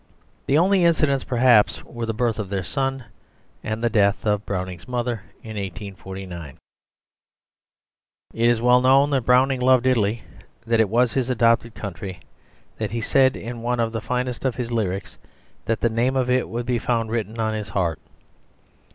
The only incidents, perhaps, were the birth of their son and the death of Browning's mother in 1849. It is well known that Browning loved Italy; that it was his adopted country; that he said in one of the finest of his lyrics that the name of it would be found written on his heart.